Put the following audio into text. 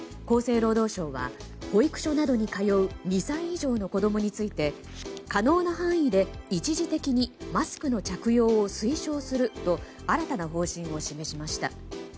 厚生労働省は保育所などに通う２歳以上の子供について可能な範囲で一時的にマスクの着用を推奨すると新たな方針を示しました。